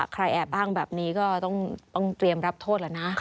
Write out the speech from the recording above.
แอบอ้างแบบนี้ก็ต้องเตรียมรับโทษแล้วนะ